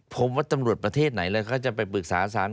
ผมว่าตำรวจประเทศไหนแล้วเขาจะไปปรึกษาสาร